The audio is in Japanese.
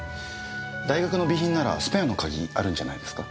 大学の備品ならスペアの鍵があるんじゃないですか？